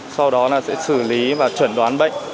sau đó là sẽ xử lý và chuẩn đoán bệnh